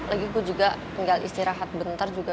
lagi gue juga tinggal istirahat bentar juga